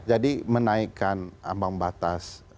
jadi menaikkan ambang batas